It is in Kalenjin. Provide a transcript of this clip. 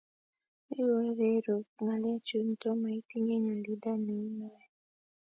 ntikokerup ng'alekchu, nto maitinye nyalilda neu noee